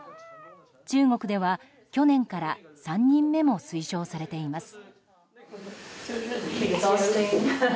中国では去年から３人目も推奨されています。